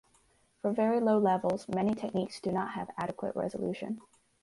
For very low levels, many techniques do not have adequate resolution.